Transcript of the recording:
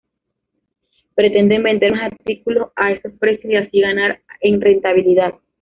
Pretenden vender más artículos a esos precios y así ganar en rentabilidad.